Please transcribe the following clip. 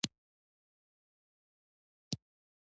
زیارت یا غوڅکۍ د سېل ځای دی.